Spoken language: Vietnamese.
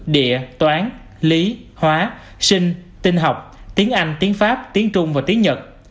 địa toán lý hóa sinh tinh học tiếng anh tiếng pháp tiếng trung và tiếng nhật